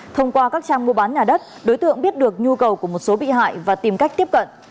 thông qua các trang mua bán nhà đất đối tượng biết được nhu cầu của một số bị hại và tìm cách tiếp cận